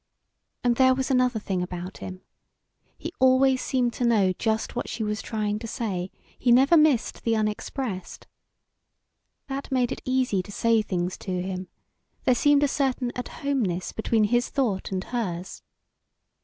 And there was another thing about him. He seemed always to know just what she was trying to say; he never missed the unexpressed. That made it easy to say things to him; there seemed a certain at homeness between his thought and hers.